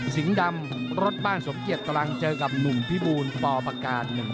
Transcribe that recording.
สิงห์ดำรถบ้านสมเกียจกำลังเจอกับหนุ่มพิบูลปอประกาศ๑๑๑ปอนด์